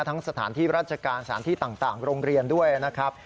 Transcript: สถานที่ราชการสถานที่ต่างโรงเรียนด้วยนะครับ